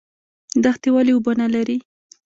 دښتې ولې اوبه نلري؟